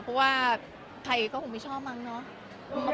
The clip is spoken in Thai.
เพราะว่าใครก็คงไม่ชอบมั้งเนาะ